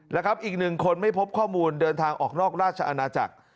แล้วครับอีกหนึ่งคนไม่พบข้อมูลเดินทางออกนอกราชอาณาจักร